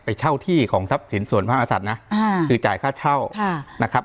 เช่าที่ของทรัพย์สินส่วนพระอาศัตริย์นะคือจ่ายค่าเช่านะครับ